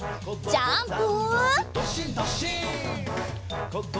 ジャンプ！